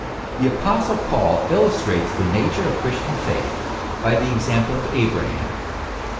The apostle Paul illustrates the nature of Christian faith by the example of Abraham.